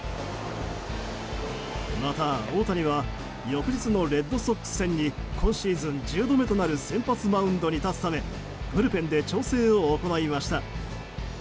また、大谷は翌日のレッドソックス戦に今シーズン１０度目となる先発マウンドに立つためブルペンで調整を行いました。